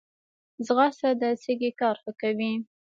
ځغاسته د سږي کار ښه کوي